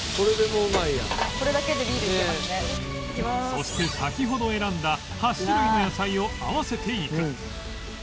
そして先ほど選んだ８種類の野菜を合わせていく